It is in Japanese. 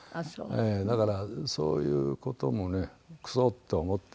だからそういう事もねクソ！って思って。